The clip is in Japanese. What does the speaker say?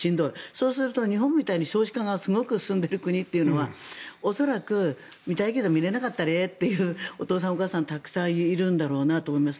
そうすると日本みたいに少子化がすごく進んでいる国は恐らく見たいけど見れなかったねというお父さん、お母さんはたくさんいるんだろうなと思います。